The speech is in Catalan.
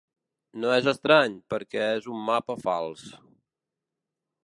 No és estrany, perquè és un mapa fals.